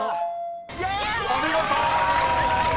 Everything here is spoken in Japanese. ［お見事！］